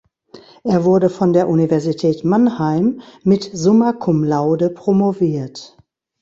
Er wurde von der Universität Mannheim mit "summa cum laude" promoviert.